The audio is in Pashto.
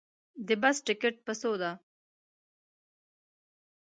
د بس ټکټ په څو ده